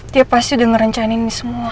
dia pasti udah ngerencana ini semua